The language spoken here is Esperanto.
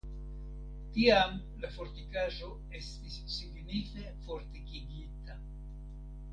Tiam la fortikaĵo estis signife fortikigita.